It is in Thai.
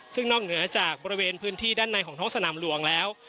ซึ่งนอกเหนือจากบริเวณพื้นที่ด้านในของท้องสนามหลวงแล้ว